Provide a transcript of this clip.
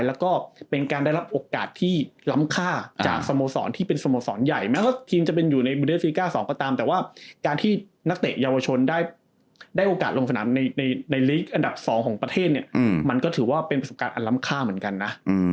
แล้วก็เป็นการได้รับโอกาสที่ล้ำค่าจากสโมสรที่เป็นสโมสรใหญ่แม้ว่าทีมจะเป็นอยู่ในบูเดฟริกาสองก็ตามแต่ว่าการที่นักเตะเยาวชนได้โอกาสลงสนามในลีกอันดับ๒ของประเทศเนี่ยมันก็ถือว่าเป็นประสบการณ์อันล้ำค่าเหมือนกันนะ